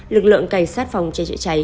lực lượng cảnh sát phòng cháy chữa cháy